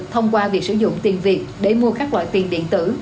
thông qua việc sử dụng tiền việt để mua các loại tiền điện tử